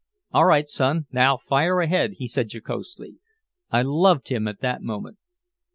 "All right, son, now fire ahead," he said jocosely. I loved him at that moment.